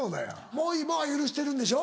もう今は許してるんでしょ？